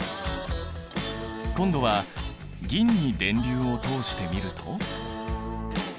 今度は銀に電流を通してみると。